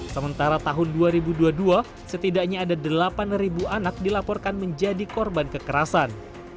sementara tahun dua ribu dua puluh dua setidaknya ada delapan anak dilaporkan menjadi korban kekerasan